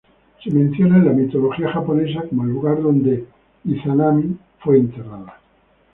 Se menciona en la mitología japonesa como el lugar donde Izanami fue enterrada.